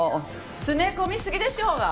詰め込みすぎでしょうが！